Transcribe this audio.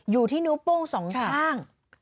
อยู่ที่นิ้วโป้งสองข้าง